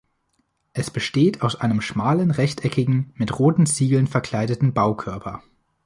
Es besteht aus einem schmalen rechteckigen, mit roten Ziegeln verkleideten Baukörper.